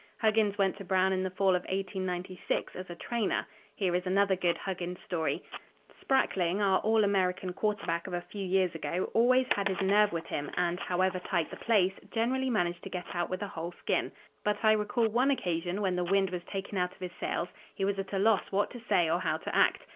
Huggins went to Brown in the fall of 1896, as trainer. Here is another good Huggins story: "Sprackling, our All American quarterback of a few years ago, always had his nerve with him and, however tight the place, generally managed to get out with a whole skin. But I recall one occasion when the wind was taken out of his sails; he was at a loss what to say or how to act.